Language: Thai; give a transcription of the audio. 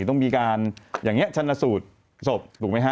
ต้องมีการอย่างนี้ชันสูตรศพถูกไหมฮะ